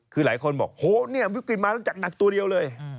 คือหลายคนบอกวิกฤตมาต้องจักหนักตัวเดียวเลย